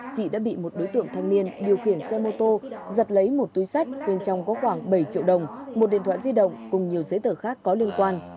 chị đã bị một đối tượng thanh niên điều khiển xe mô tô giật lấy một túi sách bên trong có khoảng bảy triệu đồng một điện thoại di động cùng nhiều giấy tờ khác có liên quan